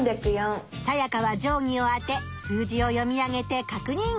サヤカは定ぎを当て数字を読み上げて確認！